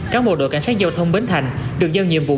cán bộ đội cảnh sát giao thông bến thành được giao nhiệm vụ